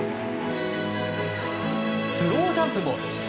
スロージャンプも。